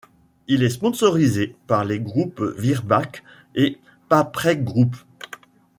Il est sponsorisé par les groupes Virbac et Paprec Group.